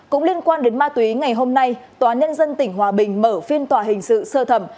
cũng liên quan đến ma túy ngày hôm nay tòa nhân dân tỉnh hòa bình mở phiên tòa hình sự sơ thẩm